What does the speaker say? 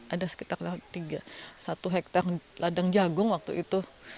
ada sekitar satu hektare ladang jagung waktu itu